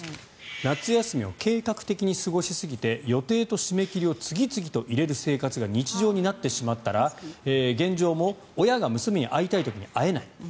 夏休みを計画的に過ごしすぎて予定と締め切りを次々と入れる生活が日常になってしまったら現状も親が娘に会いたい時に会えない。